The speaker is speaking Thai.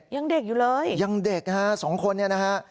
ยังเด็กอยู่เลยยังเด็กฮะสองคนเนี่ยนะฮะ